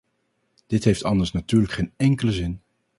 Dit heeft anders natuurlijk geen enkele zin.